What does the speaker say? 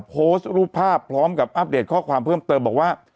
โพสต์รูปภาพพร้อมกับอัปเดตข้อความเพิ่มเติมบอกว่า